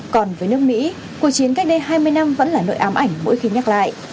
còn với nước mỹ cuộc chiến cách đây hai mươi năm vẫn là nội ám ảnh mỗi khi nhắc lại